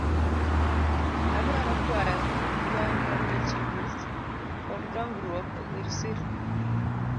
Adwaro kwayo mondo migao mar weche wuoth kod dongruok oger sirni.